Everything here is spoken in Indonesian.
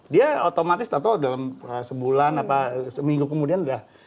dia otomatis atau dalam sebulan apa seminggu kemudian udah